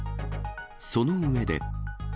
その上で。